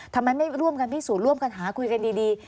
ทำไมไม่ร่วมกันพิสูจน์ร่วมกันหาคุยกันดี